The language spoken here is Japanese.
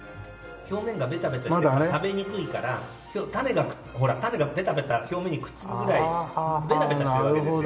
表面がベタベタしてると食べにくいから種がほら種がベタベタ表面にくっつくぐらいベタベタしてるわけですよ。